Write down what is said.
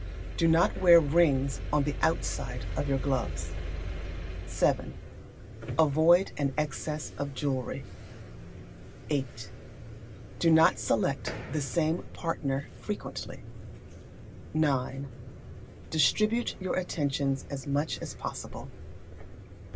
Do not wear rings on the outside of your gloves. vii. Avoid an excess of jewellery. viii. Do not select the same partner frequently. ix. Distribute your attentions as much as possible.